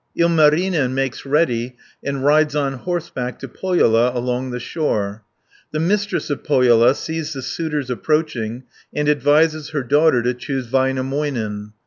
Ilmarinen makes ready, and rides on horseback to Pohjola along the shore (267 470). The Mistress of Pohjola sees the suitors approaching, and advises her daughter to choose Väinämöinen (471 634).